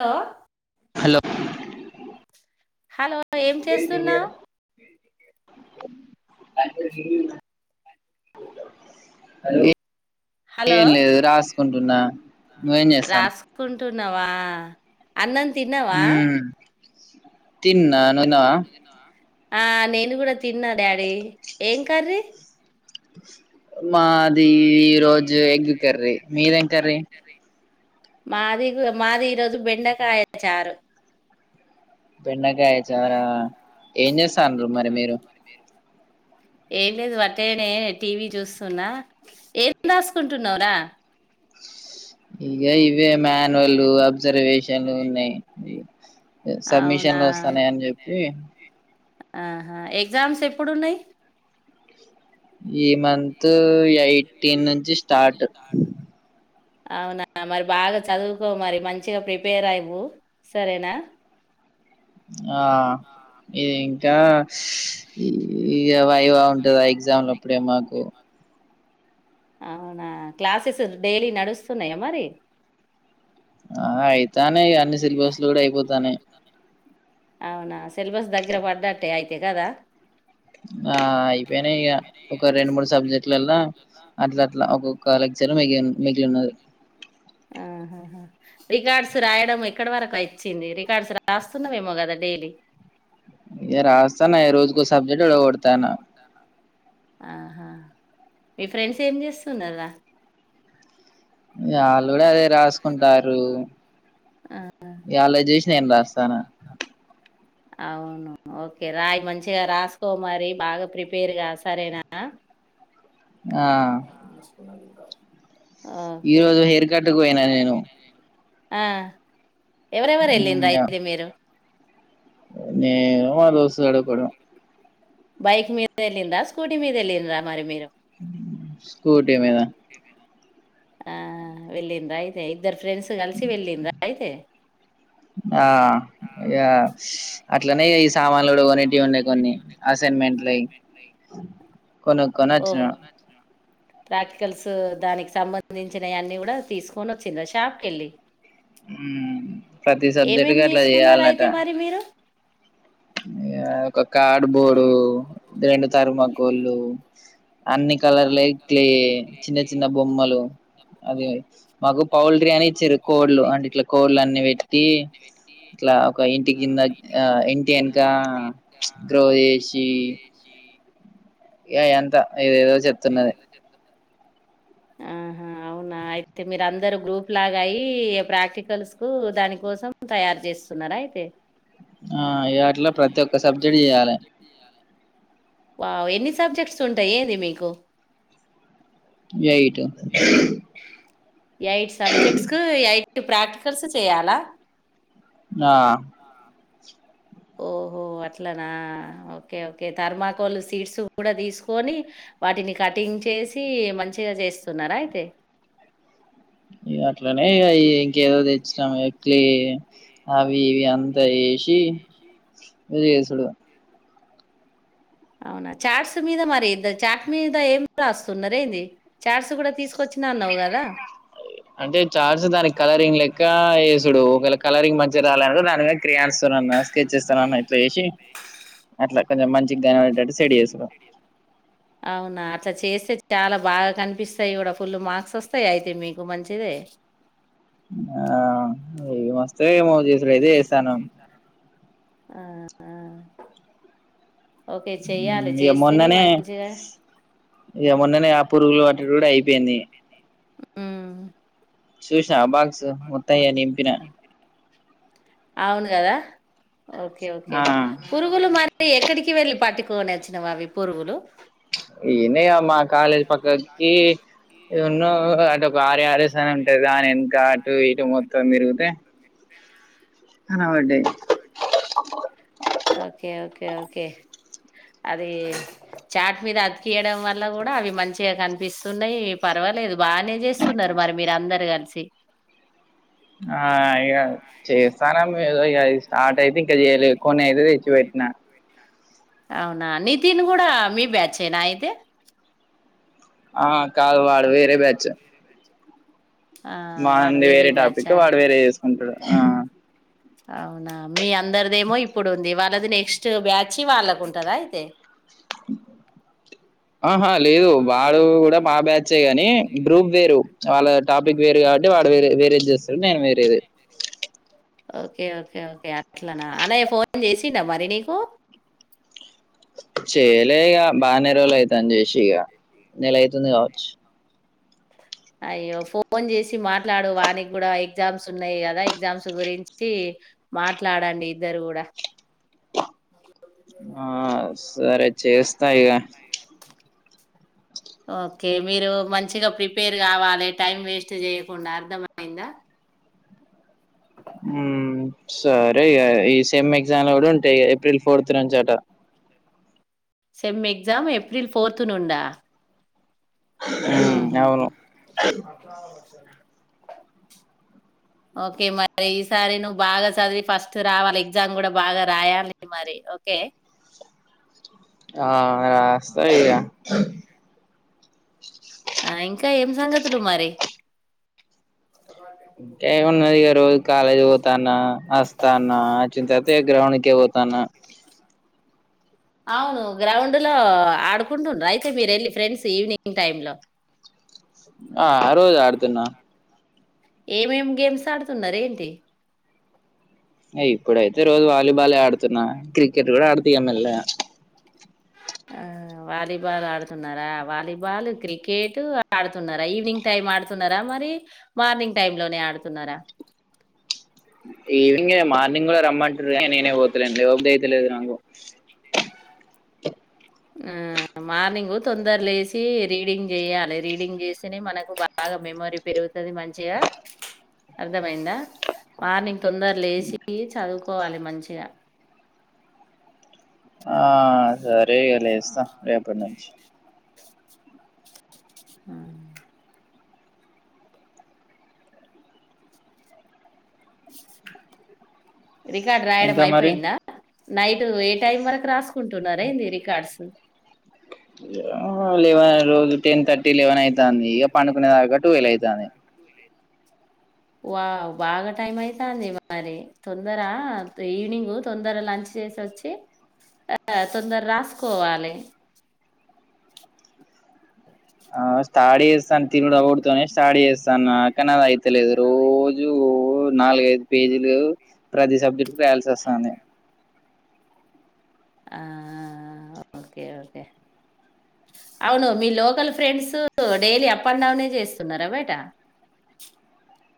హ hello hello ఏం చేస్తున్నావు హలో హలో ఏం లేదు రాసుకుంటున్నా నువ్వేం చేస్తానావ టున్నావా అన్నం తిన్నావా తిన్నా ను తిన్నావా ఆ నేను కూడా తిన్నా డాడీ ఏం కరీ ఆ మాది ఈ రోజు ఎగ్గు కర్రీ మీదేం కర్రీ మాది మాది ఈరోజు బెండకాయ చారు బెండకాయ చారా ఏం చేస్తన్నారు మరి మీరు ఏం లేదు వట్టేనే టీవీ చూస్తున్నా ఏం రాసుకుంటున్నావురా ఆ ఇక ఇవే మాన్వల్ అబ్జర్వేషన్లు ఉన్నాయి అవునా సబ్మిషన్లు వస్తాన్నాయ అని చెప్పి ఆహా ఎగ్జామ్స్ ఎప్పుడు ఉన్నాయి ఈ మంత్ త్ ఎయిటీన్ నుంచి స్టార్ట్ అవునా మరి బాగా చదువుకో మరి మంచిగా ప్రిపేర్ అవు సరేనా ఆ ఇది ఇంకా ఇగ వాయ్వా ఉంటద ఎగ్జామ్ అప్పుడే మాకు అవునా క్లాసెస్ డైలీ నడుస్తున్నాయా మరి ఆ ఆయి తానే అన్ని సిలబస్లు కూడా అయిపోతానే అవునా సిలబస్ దగ్గర పడ్డట్టే అయితే కదా ఆ అయిపోయినై ఇగ ఒక రెండు మూడు సబ్జెక్ట్ ట్లలల్లా అట్లా అట్లా ఒక్కొక్క లక్షనం మిగి మిగిలి ఉన్నది ఆహాహా రికార్డ్స్ రాయడం ఎక్కడ వరకు వచ్చింది. రికార్డ్స్ రాస్తున్నావేమో కదా డైలీ. ఇగ నేను రాస్తాన ఇగ రాస్తన రోజుకో ఏరోజు సబ్జెక్ట్ సబ్జెక్టు ఓడగొడతాన కొట్టతన్న ఆహా మీ ఫ్రెండ్స్ ఏం చేస్తున్నారా వాళ్ళు కూడా అదే రాసుకుంటారు ఇగ ఆళ్ళది చూసి నేను రాస్తాన అవును ఓకే రాయి మంచిగా రాసుకో మరి బాగా ప్రిపేర్గా సరేనా ఆ అయిందా ఈ రోజు హెయిర్ కట్ కు పోయినా నేను ఆ ఎవరెవరు వెళ్ళిన్రు అయితే మీరు నేను మాదోస్తుగాడు కూడా బైక్ మీద వెళ్లిండ్రా స్కూటీ మీద వెళ్లిండ్రా మీరు స్కూటీ మీద ఆ వెల్లిండ్రా అయితే ఇద్దరు ఫ్రెండ్స్ కలిసి వెళ్ళిండ్రా అయితే ఆ అగ అట్లనే ఈ సామాన్లు కూడా కొనేటివి ఉండే, కొన్ని అసైన్మెంట్లు అవి కొనుక్కొని వచ్చిన. ఓహో ప్రాక్టికల్స్ దానికి సంబంధించిన అన్ని కూడా తీసుకొని వచ్చిన్రా షాప్ కు వెళ్ళి ఊమ్ ప్రతి సబ్జెక్ట్ కు ఏమేమి అట్లా తీసుకున్నారు చేయాలట అయితే మరి మీరు ఏందో కొ కార్డ్బోర్డు రెండు తర్మాకోళ్ళు అన్ని కలర్లు ఇట్ చిన్న చిన్న బొమ్మలు అది మాకు పౌల్ట్రీ అని ఇచ్చిరు. కోళ్లు అంటే ఇట్లా కోళ్లు అన్ని పెట్టి ఇట్లా ఒక ఇంటి కింద ఇంటి అని కా ద్రో చేసి ఏ ఎంత ఇదిదో చెప్తున్నది ఆహా అవునా అయితే మీరు అందరు గ్రూప్ లాగా, అయి ప్రాక్టికల్స్ కు దాని కోసం తయారు చేస్తున్నారా. అయితే ఆ ఇగ అట్లా ఆ ప్రతి ఒక్క అట్ల సబ్జెక్ట్ ప్రతిఒక్క చేయాలి సబ్జెక్ట్ కు చేయాలా వాలిస్ సబ్జెక్ట్స్ ఉంటాయి ఏంది మీకు కు ఏయి ఎయిట్ సబ్జెక్ట్స్ ఎయిట్ మీటు ప్రాక్టికల్స్ చేయాలా ఆ ఓహో అట్లనా ఓకే ఓకే థర్మాకోల్ సీట్స్ కూడా తీసుకొని వాటిని కటింగ్ చేసి మంచిగా చేస్తున్నారా అయితే ఇగ అట్లనే ఇగ ఇంకేదో తెచ్చినాము క్లే అవి ఇవి అంతా వేసి ఇగ చేసుడు అవునా చాట్స్ మీద మరి ఇద్దరు చాట్ మీద ఏం రాస్తున్నారేంది చాట్స్ కూడా తీసుకొచ్చినా అన్నావు కదా అంటే చార్ట్స్ దానికి కలరింగ్ లెక్క ఏసుడు ఒకవేళ కలరింగ్ మంచిగా రాలేనుకో దాని మీద క్రియాన్స్ తోనన్న స్కెచెస్ తోనన్న ఇట్లా ఏసి అట్లా కొంచెం మంచిగా కనపడేటట్టు సెట్ చేసుడు అవునా అలా చేస్తే చాలా బాగా కనిపిస్తాయి కూడా ఫుల్ మార్క్స్ వస్తాయి అయితే మీకు మంచిదే ఆ ఏమస్తే ఏమౌ ఇప్పుడైతే చేస్తాన్నం ఆ ఆ ఓకే చెయ్యాలి ఇగ చేస్తేనే మొన్ననే మంచిగా ఇగ మొన్ననేఆ పరుగులు పట్టుడు కూడా అయిపోయింది ఉమ్ చూసావ బాక్సు మొత్తం నింపిన అవును కదా ఓకే ఓకే ఆ పురుగులు మరి ఎక్కడికి వెళ్ళి పటి కొనచ్చినవా అవి పురుగులు ఈడనే మా కాలేజ్ పక్క కి ఎన్నో అటు ఒక కర్యాదశన ఉంటాది దాని వెనక అటు ఇటు మొత్తం తిరిగితే కనబడ్డాయి ఓకే ఓకే ఓకే అది చాట్ మీద అతికియడం వల్ల కూడా అవి మంచి గా కనిపిస్తున్నాయి పర్వాలేదు బాగానే చేస్తున్నారు మరి మీరు అందరు కలిసి ఆ ఇక చేస్తానామ ఏదో ఇక స్టార్ట్ అయితే ఇంకా ఆ చేయలే టైపింగ్ కొన్ని అయితే చేయదు తెచ్చి ఫోన్ అదు పెట్టినా పెటిినాను అవునా నితిన్ కూడా మీ బ్యాచ్ ఏనా అయితే ఆ కాదు వాడు వేరే బ్యాచ్ ఆ వాడు వానిది వేరే టాపిక్ బ్యాచా వాడు వేరే చేసుకుంటాడు ఆ అవునా మీ అందరిదేమో ఇప్పుడు ఉంది వాళ్ళది నెక్స్ట్ బ్యాచి వాళ్ళకు ఉంటదా అయితే ఆ ఆహా లేదు వాడు కూడా మా బ్యాట్చే కాని గ్రూప్ వేరు వాళ్ళ టాపిక్ వేరు కాబట్టి వాడు వేరే వేరేది చేస్తాడు నేను వేరేది ఓకే ఓకే ఓకే అట్లనా అనే ఫోన్ చేసిండ మరి నీకు చెయ్యలే ఇగ బానరాయితంది అను చేసిగా నెలయితుంది కా అయ్యో ఫోన్ చేసి మాట్లాడు వానికి కూడా ఎగ్జామ్స్ ఉన్నాయి కదా ఎగ్జామ్స్ గురించి మాట్లాడండి. ఇద్దరు కూడా ఆ సరే చేస్త చేస్తా ఇగా ఓకే మీరు మంచిగా ప్రిపేర్ కావాలి. టైం వేస్ట్ చేయకుండా అర్థంమయిందా. ఊ సరే ఇగ సేమ్ ఎగ్జా అప్పుడు ఉంటాయి ఇగ ఏప్రిల్ ఫోర్త్ [unintelligible] చేట సెమ్ ఎగ్జామ్ ఏప్రిల్ ఫోర్త్ నుండా మ్మ్ ఉహు అవును ఓకే మరి ఈసారి నువ్వు బాగా చదివి ఫస్ట్ రావాలి. ఎగ్జామ్ కూడా బాగా రాయాలి మరి ఓకే ఆ రాస్తా ఇగ ఆ ఇంకా ఏం సంగతులు మరి ఏమున్నది ఇగ రోజు కాలేజ్ పోతాన్న వస్తాన్న వచ్చిన తర్వాత గ్రౌండ్కే పోత త్తన అవును గ్రౌండ్ లో ఆడుకుంటుండ్రా అయితే మీరు వెళ్ళి ఫ్రెండ్స్ ఈవినింగ్ టైమ్ లో ఆ రోజు ఆడుతున్నా ఏమేంమేం గేమ్స్ ఆడుతున్నారూ ఏంది ఇంగ ఇప్పుడు ఆయితే రోజు వాలిబాలే ఆడు [unintelligible] ఇప్పుడు [unintelligible] మెల్లగా ఆ వాలీబాల్ ఆడుతున్నారా వాలీబాల్, క్రికెట్ ఆడుతున్నారా. ఈవినింగ్ టైం ఆడుతున్నారా. మరి మార్నింగ్ టైమ్ లోనే ఆడుతున్నారా. ఈవినింగ్ మార్నింగ్ అ [unintelligible] తెలియదు నాకు ఆ మార్నింగ్ తొందర లేసి రీడింగ్ చేయాలి రీడింగ్ చేస్తేనే మనకు బాగా మెమోరీ పెరుగుతాది మంచిగా అర్థమయిందా మార్నింగ్ తొందర లేసి చదువుకు కోవాలి మంచిగా ఆ సరే ఎర్లీ గా లేస్తా రేపటి నుంచి హు రికార్డు రాయడం ఇంకా మరి అయిపోయిందా. నైట్ ఏ టైమ్ వరకు రాసుకో కుంటున్నారా ఏంది రికార్డ్స్ ఏమో లేవని రోజు టెన్ థర్టీ లెవెన్ అయి ఇంగ పండుకునే దాకా టువల్ అయితంది. వా బాగా టైం అయితంది మరి తొందర ఈవినింగ్ తొందర లంచ్ చేసి వచ్చి ఆ తొందర రాసుకోవాలి. థర్డ్ ఇయర్స్ సంతి కూడా ఒడుతోనే స్టార్ట్ చేస్తాన కాని అది అయితలేదు రోజు ఓ నాలుగ ఐదు పేజీలు ప్రతి సబ్జెక్ట్ కు రాయాల్సి వస్తాంది ఆహ్ ఓకే ఓకే అవును మీ local friends daily up and డౌనే చేస్తున్నారా బెట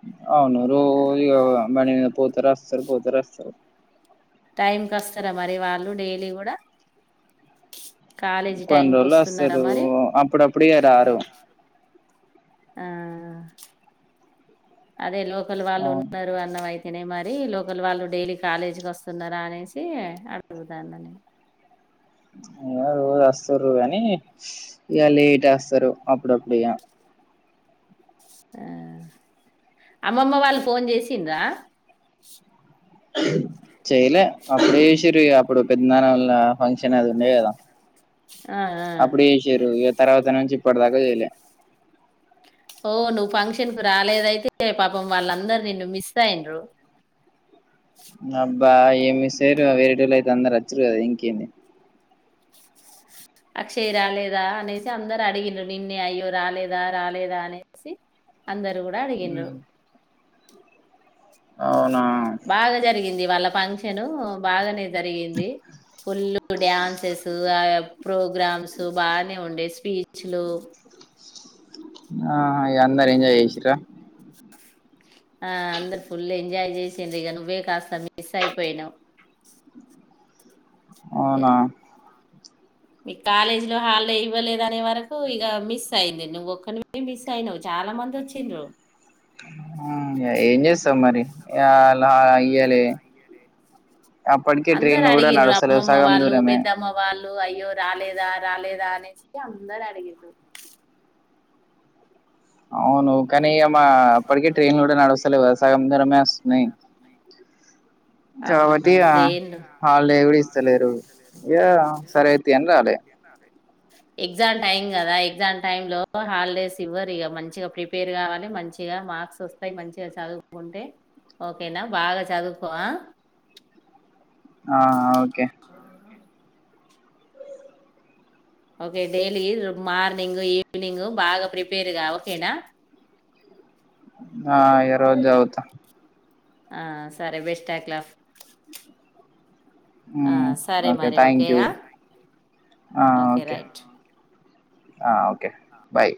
[unintelligible] అవును రోజ ఇగ బాండీ పోత్ త సరిపోత సరిపో టైంకి వస్తారా మరి వాళ్ళు డైలీ కూడా కాలేజీ కొన్ని టైంకి రోజులు వస్తున్నారా వస్తారు మరి అప్పుడప్పుడు ఇగ రారు ఆహ్ అదే లో వాళ్ళు అవును ఉన్నారు అన్నవై తినే మరి లోకల్ వాళ్ళు డైలీ కాలేజీకి వస్తున్నారా అనేసి అడుగుతాన ఇక రోజు వస్తారు కానీ ఇక లేట్ వస్తారు అప్పుడప్పుడు ఇగా ఆహ్ అమ్మమ్మ వాళ్ళు ఫోన్ చేసిండ్ర అ [unintelligible] చేయలే అప్పుడే చేసిరు అప్పుడు పెదనానోళ్ల ఫంక్షన్ అది ఉండే కదా ఆ ఆ అప్పుడు చేషిరు ఇగా తర్వాత నుంచి ఇప్పుడుతాక చేలే ఓ నువ్వు ఫంక్షన్ కు రాలేదయితే పాపం వాళ్ళందరు నిన్ను మిస్ అయిన్రు అబ్బా ఏమి మిస్ అయిరు వేరేటోళ్ళు అయితే అందరు వచ్చారీ కదా ఇంకేంది అక్షయ్ రాలేదా అనేసి అందరు అడిగిరూ నిన్నే అయ్యో రాలేదా రాలేదా అనేసి అందరు కూడా అడిగిండ్రు ఆవు బాగా జరిగింది వాళ్ళ ఫంక్షన్ను బాగానే జరిగింది ఫుల్ డ్యాన్సెస్ ప్రోగ్రామ్స్ బానే ఉండే స్పీచ్ పిచ్చలో ఆహ్ ఇగ అందర్ ఎంజాయ్ చేసిరా ఆహ్ అందరు ఫుల్ ఎంజాయ్ చేసిండ్రు ఇక నువ్వే కాస్త మిస్ అయిపోయినావు అవునా మీకు కాలేజీ లో హాలిడే ఇవ్వలేదునే వరకు ఇక మిస్ అయింది నువ్ ఒక్కనివి మిస్ అయినావు చాలా మంది వచ్చిండ్రు ఏం చేస్తాం మరి ఆహ్ లా ఇయాలే అప్పటికి ట్రెన్ అందరు కూడా అడిగిండ్రు నడుస్తలేవ్ అమ్మమ్మ సగం వాళ్ళు దూరమే పెద్దమ్మ వాళ్ళు అయ్యో రాలేదా రాలేదా అనేసి అందరు అడిగిన్రు అవును కానీ ఇగా మా అప్పటికే ట్రైన్లు కూడా నడుస్తలేవుగ సగం దూరమే వస్తున్నాయి కాబట్టి అవునవును ట్రైన్లు హాలిడే కూడా ఇస్తలేరు ఇక సరేతి అని రాలే ఎగ్జామ్ టైమ్ కదా ఎగ్జామ్ టైమ్లో హాలిడేస్ ఇవ్వరు ఇగ మంచిగా ప్రి పేర్ కావాలె మంచిగా మార్క్స్ వస్తాయి. మంచిగా చదువుకుంటే ఓకేనా బాగా చదువుకో ఆ ఆ okay. Okay daily morning, evening బాగా ప్రిపేర్గా ఓకేనా ఆ ఇగ రోజ్ చదువుతా ఆ సరే బెస్ట్ ఆఫ్ లక్ ఆ హ్మ్ సరే మరి థ్యాంక్ ఓకే యూ ఆ ఓకే రైట్ ఆ ఓకే బాయ్.